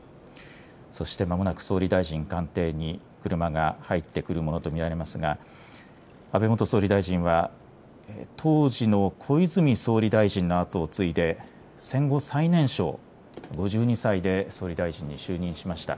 そしてまもなく総理大臣官邸に車が入ってくるものと見られますが安倍元総理大臣は当時の小泉総理大臣のあとを継いで戦後最年少、５２歳で総理大臣に就任しました。